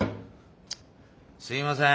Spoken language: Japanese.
すいません。